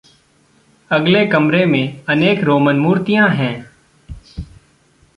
अगले कमरे में अनेक रोमन मूर्तियाँ हैं।